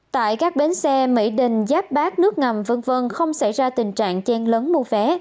tại các bến xe mỹ đình giáp bát nước ngầm v v không xảy ra tình trạng chen lấn mua vé